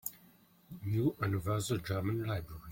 New Universal German Library